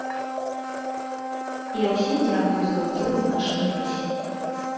Я ўсім дзякую за ўдзел у нашым лёсе.